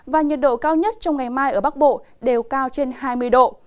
và nhiệt độ cao nhất trong ngày mai ở bắc bộ đều cao trên hai mươi độ